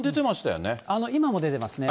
今も出てますね。